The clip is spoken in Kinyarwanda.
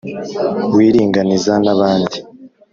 wiringaniza n'abandi